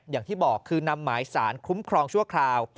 อย่างที่บอกคือนำหมายสารคุ้มครองชั่วคราว